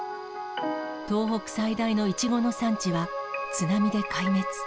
東北最大のイチゴの産地は、津波で壊滅。